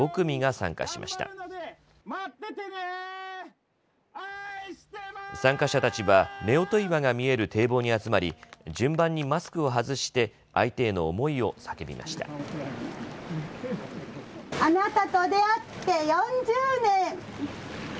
参加者たちは夫婦岩が見える堤防に集まり順番にマスクを外して相手への思いを叫びました。